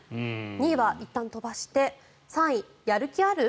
２位はいったん飛ばして３位、やる気ある？